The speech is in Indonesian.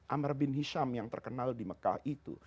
amar bin hisham yang terkenal di mekah itu